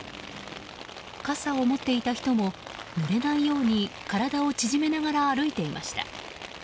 傘を持っていた人もぬれないように体を縮めながら歩いていました。